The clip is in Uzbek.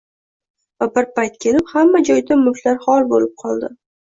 va bir payt kelib hamma joyda mulklar xor bo‘lib qoldi